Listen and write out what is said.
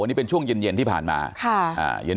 นี่เป็นช่วงเย็นที่ผ่านมาค่ะ